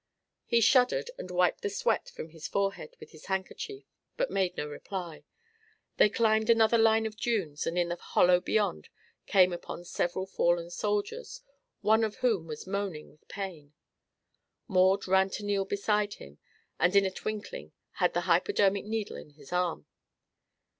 He shuddered and wiped the sweat from his forehead with a handkerchief, but made no reply. They climbed another line of dunes and in the hollow beyond came upon several fallen soldiers, one of whom was moaning with pain. Maud ran to kneel beside him and in a twinkling had her hypodermic needle in his arm.